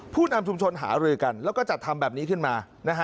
ผู้นำชุมชนหารือกันแล้วก็จัดทำแบบนี้ขึ้นมา